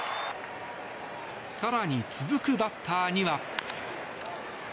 更に、続くバッターには。